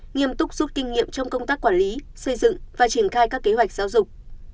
nghiêm túc rút kinh nghiệm trong công tác quản lý xây dựng và triển khai các kế hoạch giáo dục